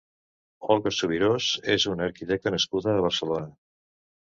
Olga Subirós és una arquitecta nascuda a Barcelona.